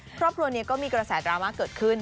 ครอบครัวนี้ก็มีกระแสดราม่าเกิดขึ้น